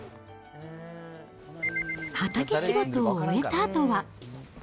畑仕事を終えたあとは。